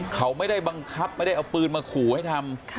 เขาไม่ได้บังคับไม่ได้เอาปืนมาขู่ให้ทำ